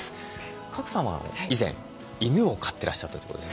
賀来さんは以前犬を飼ってらっしゃったということで。